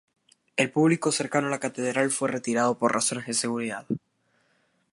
El público cercano a la catedral fue retirado por razones de seguridad.